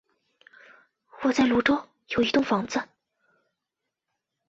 我在芦洲有一栋房子